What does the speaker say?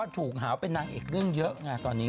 ถูกหาวเป็นนางเอกเรื่องเยอะไงตอนนี้